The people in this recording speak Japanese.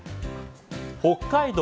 北海道